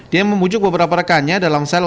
dia membujuk beberapa rekannya dalam sel